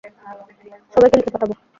সবাইকে লিখে পাঠাবো।